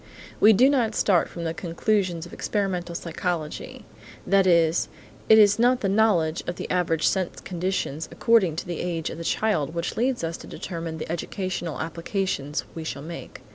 We do not start from the conclusions of experimental psychology. That is, it is not the knowledge of the average sense conditions according to the age of the child which leads us to determine the educational applications we shall make.